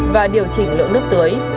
và điều chỉnh lượng nước tưới